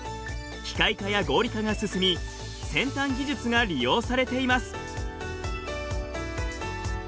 機械化や合理化が進み先端技術が利用されています。